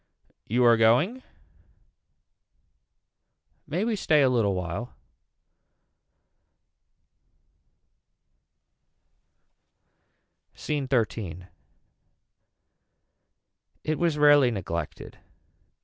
You are going. May we stay a little while. SCENE XIII. It was rarely neglected.